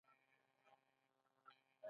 د اټک قلا په لويو او مضبوطو قلاګانو کښې يوه ده۔